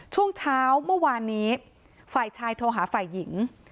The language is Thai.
ช่วงเช้าเมื่อวานนี้ฝ่ายชายโทรหาฝ่ายหญิง